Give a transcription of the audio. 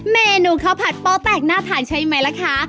เมนูข้าวผัดโป้แตกน่าทานใช่ไหมล่ะคะ